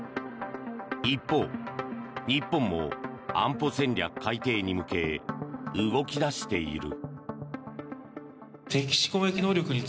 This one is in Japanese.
一方、日本も安保戦略改定に向け動き出している。